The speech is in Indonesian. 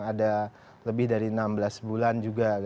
ada lebih dari enam belas bulan juga